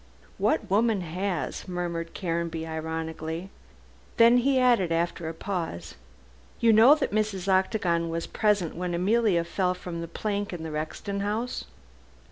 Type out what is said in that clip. "What woman has?" murmured Caranby, ironically. Then he added after a pause, "You know that Mrs. Octagon was present when Emilia fell from the plank in the Rexton house?"